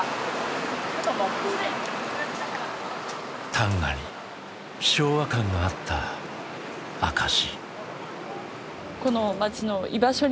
旦過に昭和館があった証し。